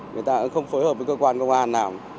người ta cũng không phối hợp với cơ quan công an nào